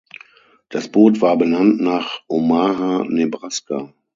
Das Boot war benannt nach Omaha, Nebraska.